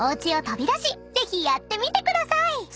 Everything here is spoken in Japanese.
飛び出しぜひやってみてください］